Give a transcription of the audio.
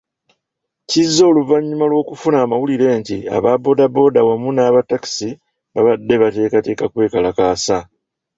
Kize oluvannyuma lw'okufuna amawulire nti aba boda boda wamu naba takisi babadde bateekateeka kwekalakaasa.